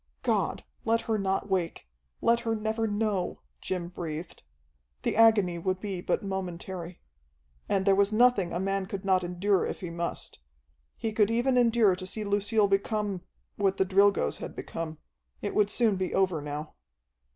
"God, let her not wake! Let her never know!" Jim breathed. The agony would be but momentary. And there was nothing a man could not endure if he must. He could even endure to see Lucille become what the Drilgoes had become. It would soon be over now.